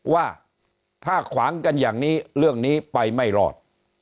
ว่าถ้าขวางกันอย่างนี้เรื่องนี้ไปไม่รอด